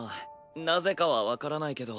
なぜかは分からないけど